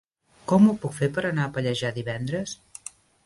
Com ho puc fer per anar a Pallejà divendres?